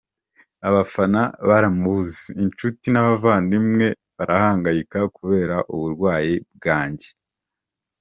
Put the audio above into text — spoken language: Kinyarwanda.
Abafana barambuze, inshuti n’abavandimwe barahangayika kubera uburwayi bwanjye.